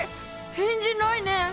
返事ないね。